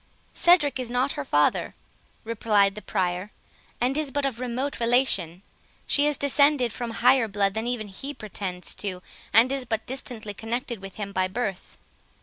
"Cedric is not her father," replied the Prior, "and is but of remote relation: she is descended from higher blood than even he pretends to, and is but distantly connected with him by birth.